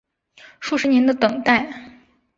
数十年的等待